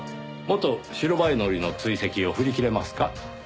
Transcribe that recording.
元白バイ乗りの追跡を振りきれますか？